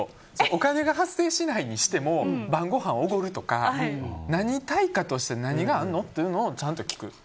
お金が発生しないにしても晩ごはんおごるとか、対価として何があんの？というのをちゃんと聞く。